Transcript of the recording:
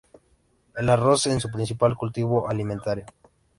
El arroz es su principal cultivo alimentario.